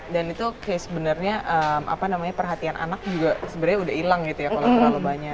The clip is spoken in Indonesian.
dan itu sebenarnya perhatian anak juga sebenarnya udah hilang gitu ya kalau terlalu banyak